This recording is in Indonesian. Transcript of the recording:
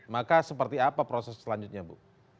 maka seperti apa proses selanjutnya bu